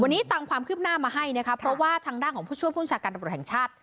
วันนี้ตามความคืบหน้ามาให้นะคะเพราะว่าทางด้านของผู้ช่วยผู้บัญชาการตำรวจแห่งชาติ